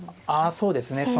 あそうですね